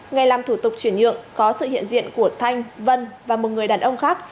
ngày làm thủ tục chuyển nhượng có sự hiện diện của thanh vân và một người đàn ông khác